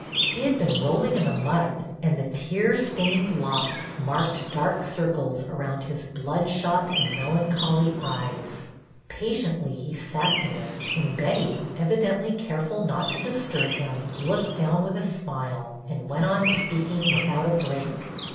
He had been rolling in the mud, and the tear stained locks marked dark circles HER COMMENCEMENT 279 around his bloodshot and melancholy eyes. Patiently he sat there, and Betty, evidently careful not to disturb him, looked down with a smile and went on speaking without a break.